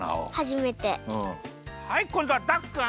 はいこんどはダクくん。